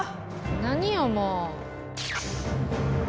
何よもう！